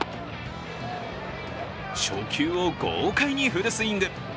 初球を豪快にフルスイング。